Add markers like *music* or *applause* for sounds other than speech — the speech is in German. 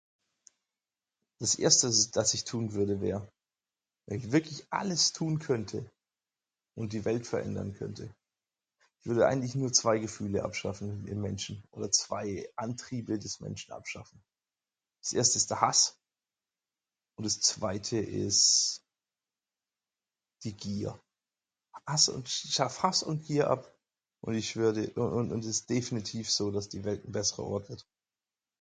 Das erste *unintelligible* das ich tun würde wär, wenn ich wirklich alles tun könnte und die Welt verändern könnte. Ich würde eigentlich nur zwei Gefühle abschaffen in den Menschen oder zwei Antriebe des Menschen abschaffen. Das erste ist der Hass und das zweite ist die Gier. Hass un schaff Hass und Gier ab und ich schwör dir un und es ist definitiv so, dass die Welt nen bessrer Ort wird.